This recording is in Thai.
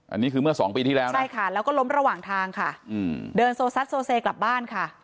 อันนี้คือเมื่อสองปีที่แล้วนะใช่ค่ะแล้วก็ล้มระหว่างทางค่ะอืมเดินโซซัดโซเซกลับบ้านค่ะ